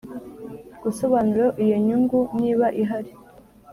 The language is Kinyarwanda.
gusobanura iyo nyungu niba ihari